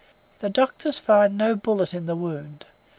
The doctors find no bullet in the wound.